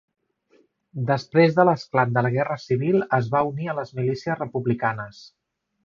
Després de l'esclat de la Guerra civil es va unir a les milícies republicanes.